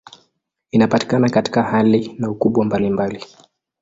Inapatikana katika hali na ukubwa mbalimbali.